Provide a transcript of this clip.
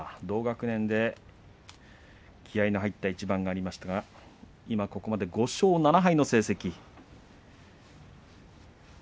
同学年で気合いの入った一番がありましたが今ここまで５勝７敗の成績。